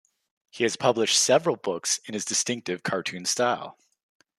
He has published several books in his distinctive cartoon style.